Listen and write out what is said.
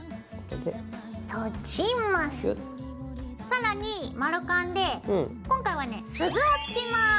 さらに丸カンで今回はね鈴を付けます。